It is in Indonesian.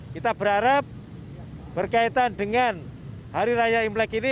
kita berharap berkaitan dengan hari raya imlek ini